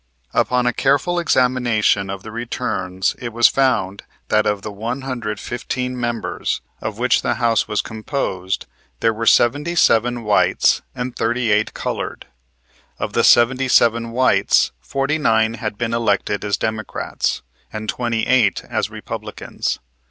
Upon a careful examination of the returns it was found that of the one hundred fifteen members of which the House was composed there were seventy seven whites and thirty eight colored. Of the seventy seven whites, forty nine had been elected as Democrats and twenty eight as Republicans.